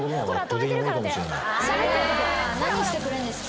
あら何してくれるんですか？